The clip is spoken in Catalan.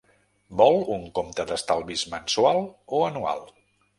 Vol un compte d'estalvis mensual o anual?